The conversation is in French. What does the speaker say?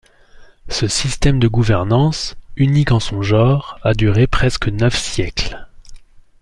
Ce système de gouvernance, unique en son genre, a duré presque neuf siècles.